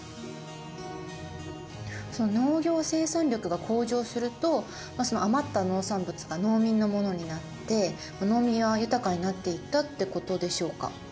農業生産力が向上すると余った農産物が農民のものになって農民は豊かになっていったってことでしょうか。